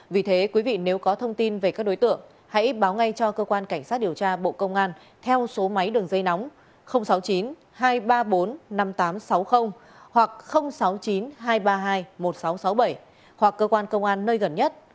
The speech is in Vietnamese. vì thế quý vị nếu có thông tin về các đối tượng hãy báo ngay cho cơ quan cảnh sát điều tra bộ công an theo số máy đường dây nóng sáu mươi chín hai trăm ba mươi bốn năm nghìn tám trăm sáu mươi hoặc sáu mươi chín hai trăm ba mươi hai một nghìn sáu trăm sáu mươi bảy hoặc cơ quan công an nơi gần nhất